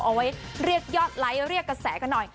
เอาไว้เรียกยอดไลค์เรียกกระแสกันหน่อย